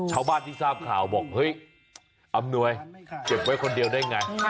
ชาวบ้านที่ทราบข่าวบอกเฮ้ยอำนวยเก็บไว้คนเดียวได้ไง